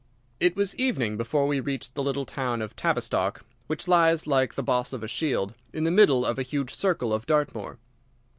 It was evening before we reached the little town of Tavistock, which lies, like the boss of a shield, in the middle of the huge circle of Dartmoor.